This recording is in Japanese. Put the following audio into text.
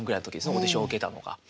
オーディション受けたのが。